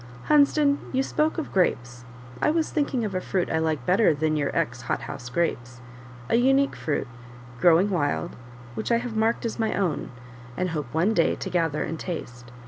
'" "Hunsden you spoke of grapes; I was thinking of a fruit I like better than your X hot house grapes an unique fruit, growing wild, which I have marked as my own, and hope one day to gather and taste.